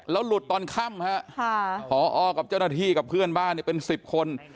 แล้วหลุดตอนค่ำฮะพอกับเจ้าหน้าที่กับเพื่อนบ้านเป็น๑๐คน